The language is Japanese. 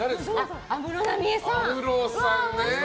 安室奈美恵さん。